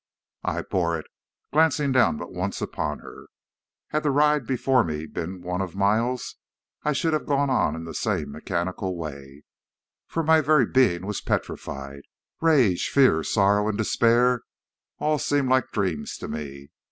"I bore it, glancing down but once upon her. Had the ride before me been one of miles I should have gone on in the same mechanical way, for my very being was petrified. Rage, fear, sorrow and despair, all seemed like dreams to me.